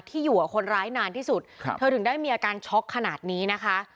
อยู่กับคนร้ายนานที่สุดเธอถึงได้มีอาการช็อกขนาดนี้นะคะ